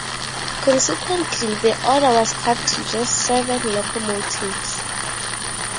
Consequently, the order was cut to just seven locomotives.